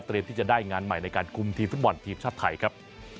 ที่จะได้งานใหม่ในการคุมทีมฟุตบอลทีมชาติไทยครับ